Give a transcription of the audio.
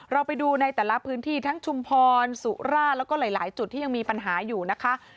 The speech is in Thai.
เราไปดูในแต่ละพื้นที่ทั้งชุมพรสุราชแล้วก็หลายจุดที่ยังมีปัญหาอยู่นะคะ